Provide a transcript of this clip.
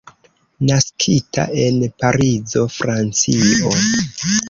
Naskita en Parizo, Francio.